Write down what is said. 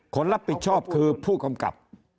คนรับผิดชอบคือผู้กำกับ